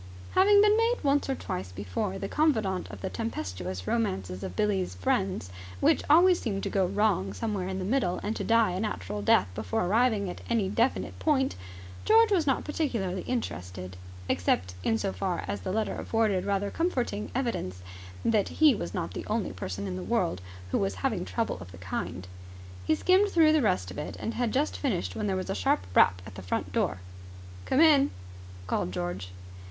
Having been made once or twice before the confidant of the tempestuous romances of Billie's friends, which always seemed to go wrong somewhere in the middle and to die a natural death before arriving at any definite point, George was not particularly interested, except in so far as the letter afforded rather comforting evidence that he was not the only person in the world who was having trouble of the kind. He skimmed through the rest of it, and had just finished when there was a sharp rap at the front door. "Come in!" called George.